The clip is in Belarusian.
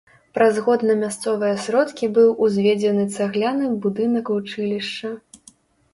Праз год на мясцовыя сродкі быў узведзены цагляны будынак вучылішча.